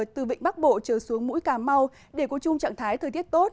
từ vịnh bắc bộ trở xuống mũi cà mau để có chung trạng thái thời tiết tốt